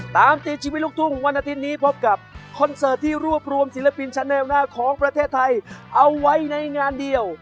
ตามตีชีวิตลูกทุ่งวันอาทิตย์นี้พบกับคอนเสิร์ตที่รวบรวมศิลปินชะแนวหน้าของประเทศไทยเอาไว้ในงานเดียว